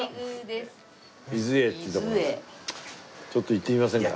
ちょっと行ってみませんか。